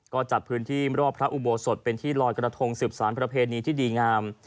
ก็จัดพื้นที่รอบพระอุโบสถเป็นที่ลอยกระทงสืบสารประเพณีที่ดีงาม